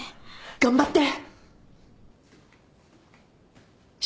頑張って！